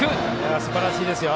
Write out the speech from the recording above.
すばらしいですよ